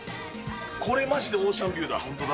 これまじで、オーシャンビューだ。